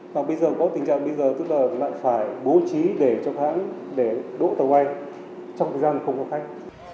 và bây giờ có tình trạng bây giờ tức là lại phải bố trí để cho hãng để đỗ tàu bay trong thời gian không có khách